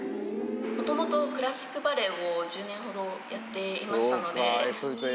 もともとクラシックバレエを１０年ほどやっていましたので。